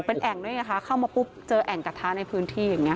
เป็นแอ่งด้วยไงคะเข้ามาปุ๊บเจอแอ่งกระทะในพื้นที่อย่างนี้